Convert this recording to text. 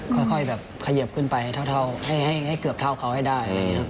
ค่อยขยับขึ้นไปให้เกือบเท่าเขาให้ได้